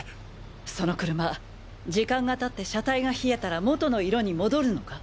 その車時間がたって車体が冷えたらもとの色に戻るのか？